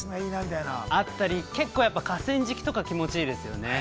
◆あったり、結構河川敷とか、気持ちいいですよね。